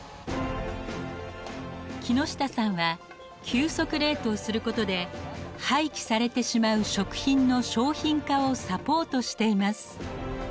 木下さんは急速冷凍することで廃棄されてしまう食品の商品化をサポートしています。